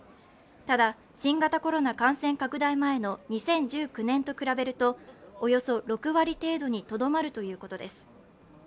ただ新型コロナ感染拡大前の２０１９年と比べるとおよそ６割程度にとどまるということです。